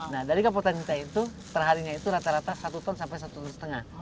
nah dari kapal tanita itu setelah harinya itu rata rata satu ton sampai satu ton setengah